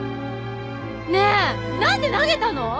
ねえ何で投げたの？